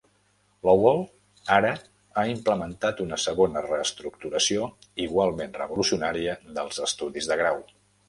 Lowell ara ha implementat una segona reestructuració igualment revolucionària dels estudis de grau.